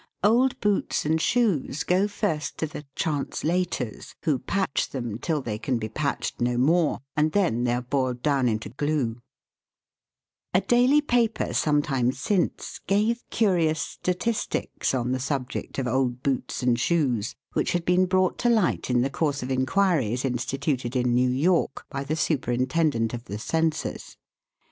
Old boots and shoes go first to the " translators," who patch them till they can be patched no more, and then they are boiled down into glue. OLD BOOTS AND SHOES. 287 A daily paper some time since gave curious statistics on the subject of old boots and shoes, which had been brought to light in the course of inquiries instituted in New York by the superintendent of the census.